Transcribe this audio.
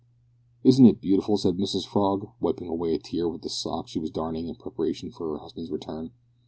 "Isn't it beautiful?" said Mrs Frog, wiping away a tear with the sock she was darning in preparation for her husband's return.